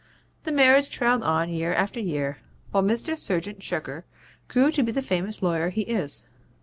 The marriage trailed on year after year, while Mr. Serjeant Shirker grew to be the famous lawyer he is.